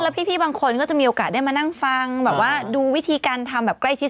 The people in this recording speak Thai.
แล้วพี่บางคนก็จะมีโอกาสได้มานั่งฟังดูวิธีการทำแบบใกล้ทิศ